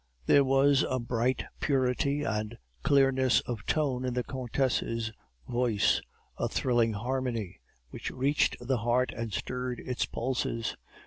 There was a bright purity and clearness of tone in the countess' voice, a thrilling harmony which reached the heart and stirred its pulses.